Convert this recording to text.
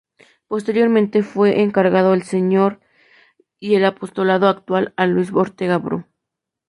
Posteriormente fue encargado el Señor y el apostolado actual a Luis Ortega Bru.